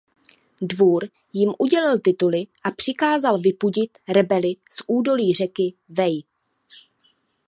Dvůr jim udělil tituly a přikázal vypudit rebely z údolí řeky Wej.